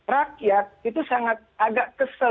rakyat itu sangat agak kesel